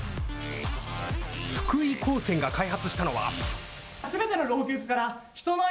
福井高専が開発したのは。